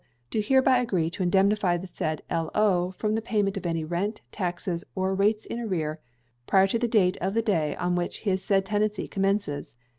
do hereby agree to indemnify the said L.O. from the payment of any rent, taxes, or rates in arrear, prior to the date of the day at which his said tenancy commences.